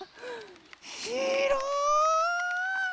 ひろい！